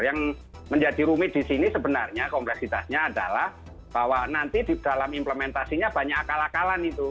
yang menjadi rumit di sini sebenarnya kompleksitasnya adalah bahwa nanti di dalam implementasinya banyak akal akalan itu